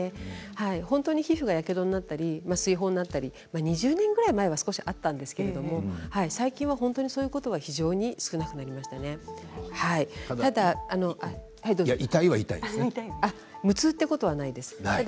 本当に皮膚がやけどになったり水ほうになったり２０年ぐらい前は少しあったんですけど最近はそういうことはただ、痛いは無痛ということはないです。